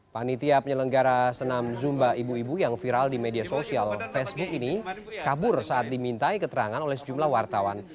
panitia penyelenggara senam zumba ibu ibu yang viral di media sosial facebook ini kabur saat dimintai keterangan oleh sejumlah wartawan